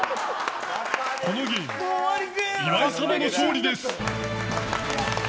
このゲーム岩井様の勝利です。